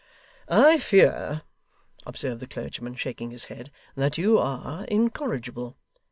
'I fear,' observed the clergyman, shaking his head, 'that you are incorrigible.